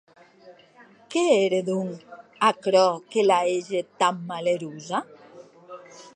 Qué ère, donc, aquerò que la hège tan malerosa?